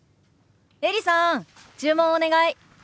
エリさん注文お願い。